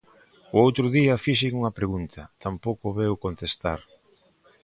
O outro día fixen unha pregunta, tampouco veu contestar.